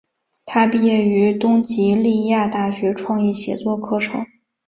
她毕业于东英吉利亚大学创意写作课程。